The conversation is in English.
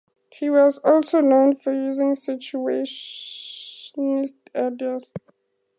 He was also known for using Situationist ideas.